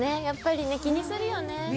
やっぱり気にするよね。